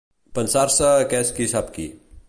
Pensar-se que és qui sap qui.